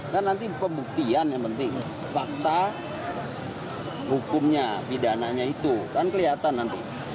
kan nanti pembuktian yang penting fakta hukumnya pidananya itu kan kelihatan nanti